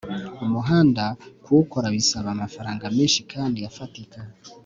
Umuhanda kuwukora bisaba amafaranga menshi kandi afatika